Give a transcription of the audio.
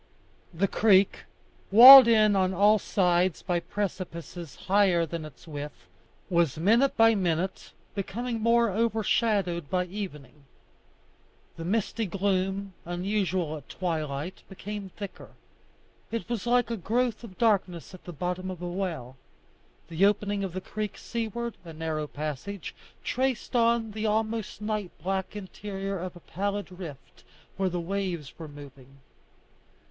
The creek, walled in on all sides by precipices higher than its width, was minute by minute becoming more overshadowed by evening. The misty gloom, usual at twilight, became thicker; it was like a growth of darkness at the bottom of a well. The opening of the creek seaward, a narrow passage, traced on the almost night black interior a pallid rift where the waves were moving.